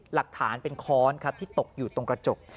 หลักฐานเป็นค้อนครับที่ตกอยู่ตรงกระจก